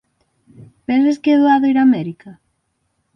Pensas que é doado ir a América?